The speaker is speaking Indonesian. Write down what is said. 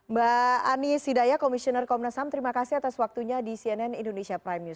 mbak anies hidayah komisioner komnas ham terima kasih atas waktunya di cnn indonesia prime news